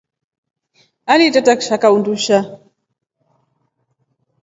Aliteta kishaka undusha.